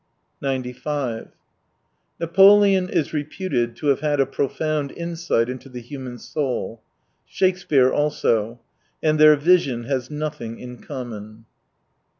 95 Napoleon is reputed to have had a profound insight into the human soul ; Shakespeare also. And their vision has nothing in common.